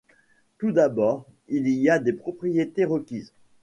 Tout d'abord il y a des propriétés requises.